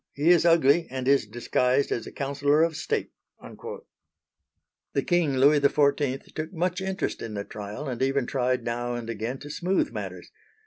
He is ugly, and is disguised as a Councillor of State!" The King, Louis XIV, took much interest in the trial and even tried now and again to smooth matters.